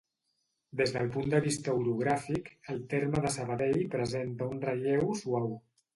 Des del punt de vista orogràfic el terme de Sabadell presenta un relleu suau